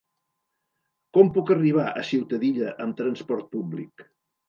Com puc arribar a Ciutadilla amb trasport públic?